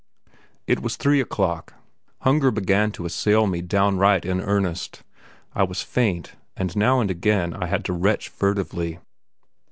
It was three o'clock. Hunger began to assail me downright in earnest. I was faint, and now and again I had to retch furtively.